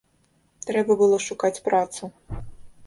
Трэба было шукаць працу.